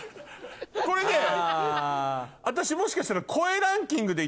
これね私もしかしたら。